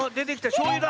しょうゆだ。